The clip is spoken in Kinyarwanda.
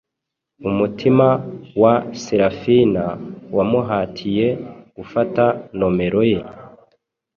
umutima wa Selafina wamuhatiye gufata nomero ye